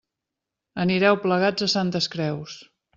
Anireu plegats a Santes Creus.